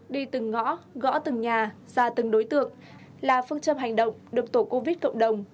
đi từng ngõ gõ từng nhà ra từng đối tượng là phương châm hành động được tổ covid cộng đồng